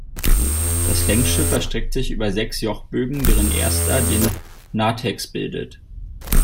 Das Längsschiff erstreckt sich über sechs Jochbögen, deren ersten den Narthex bildet.